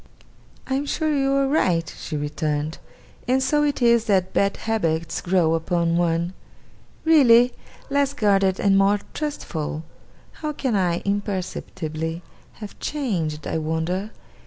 'I am sure you are right,' she returned; 'and so it is that bad habits grow upon one! Really? Less guarded and more trustful? How can I, imperceptibly, have changed, I wonder!